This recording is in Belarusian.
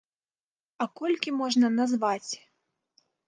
А колькі можна назваць?